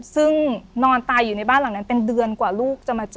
ซึ่งนอนตายอยู่ในบ้านหลังนั้นเป็นเดือนกว่าลูกจะมาเจอ